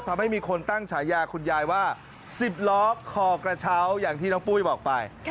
ทำให้มีคนตั้งฉายาคุณยายว่า๑๐ล้อคอกระเช้าอย่างที่น้องปุ้ยบอกไป